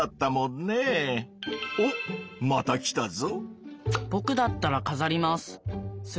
おっまた来たぞ。